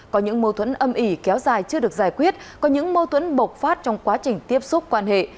có những mâu thuẫn âm ỉ kéo dài chưa được giải quyết có những mâu thuẫn bộc phát trong quá trình tiếp xúc quan hệ